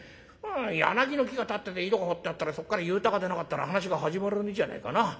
柳の木が立ってて井戸が掘ってあったらそっから幽太が出なかったら話が始まらねえじゃねえかなあ。